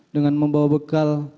dengan membawa bekal